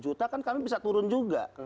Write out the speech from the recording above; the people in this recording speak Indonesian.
delapan puluh juta kan kami bisa turun juga